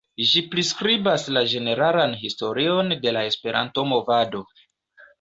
Ĝi priskribas la ĝeneralan historion de la Esperanto-movado.